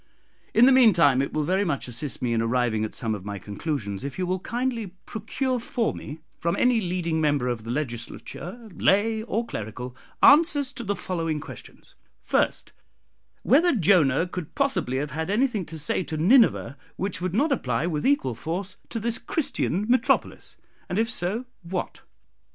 In the mean time it will very much assist me in arriving at some of my conclusions, if you will kindly procure for me, from any leading member of the Legislature, lay or clerical, answers to the following questions: "First, Whether Jonah could possibly have had anything to say to Nineveh which would not apply with equal force to this Christian metropolis? and if so, What?